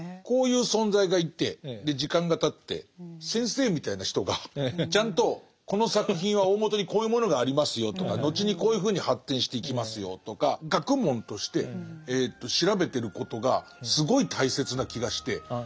こういう存在がいてで時間がたって先生みたいな人がちゃんとこの作品は大もとにこういうものがありますよとか後にこういうふうに発展していきますよとか学問として調べてることがすごい大切な気がして。